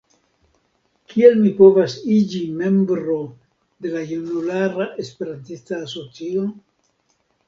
Kiel mi povas iĝi membro de la junulara Esperantista asocio?